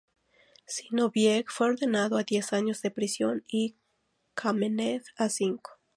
Zinóviev fue condenado a diez años de prisión y Kámenev, a cinco.